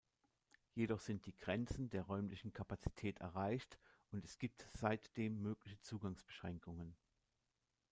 Jedoch sind die Grenzen der räumlichen Kapazität erreicht und es gibt seitdem mögliche Zugangsbeschränkungen.